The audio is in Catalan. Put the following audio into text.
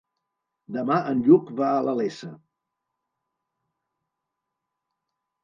Demà en Lluc va a la Iessa.